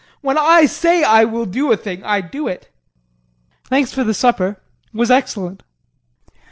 When I say I will do a thing I do it! Thanks for the supper it was excellent.